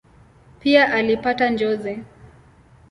Pia alipata njozi.